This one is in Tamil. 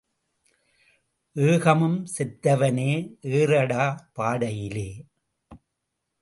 ஏகமும் செத்தவனே ஏறடா பாடையிலே.